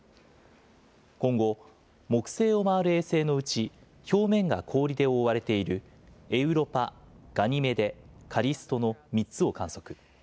今後、木星を回る衛星のうち、表面が氷で覆われているエウロパ、ガニメデ、カリストの３つを観測。